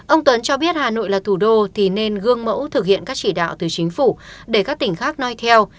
ông tuấn cho biết hà nội là thủ đô thì nên gương mẫu thực hiện các chỉ đạo từ chính phủ để các tỉnh khác nói theo